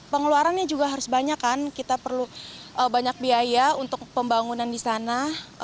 pengeluarannya juga harus banyak kan kita perlu banyak biaya untuk pembangunan di sana